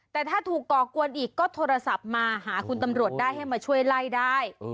แต่ถ้าถูกก่อกวนอีกก็โทรศัพท์มาหาคุณตำรวจได้ให้มาช่วยไล่ได้